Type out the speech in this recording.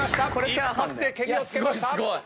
一発でけりをつけました！